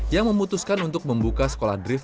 yang memutuskan untuk membuka sekolah drift